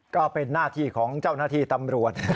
ก็เป็นหน้าที่ของเจ้าหน้าที่ตำรวจ